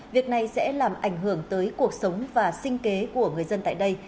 việc này sẽ làm ảnh hưởng tới cuộc sống và sinh kế của người dân tại đây